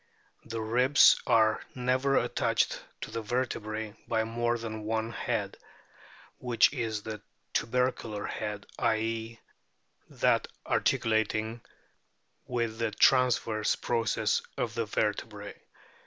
The ribs are never attached to the vertebrae by more than one head, which is the tubercular head, i.e., that articulating with the transverse process of the vertebrae.